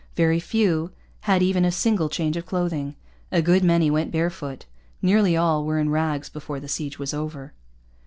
Very few had even a single change of clothing. A good many went bare foot. Nearly all were in rags before the siege was over.